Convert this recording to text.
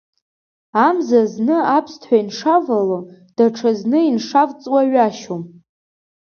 Амза зны аԥсҭҳәа ишнавало, даҽазны ишнавҵуа ҩашьом.